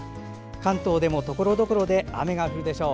関東でもところどころで雨が降るでしょう。